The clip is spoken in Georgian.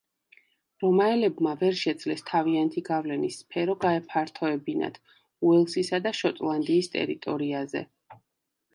რომაელებმა ვერ შეძლეს თავიანთი გავლენის სფერო გაეფართოებინათ უელსისა და შოტლანდიის ტერიტორიაზე.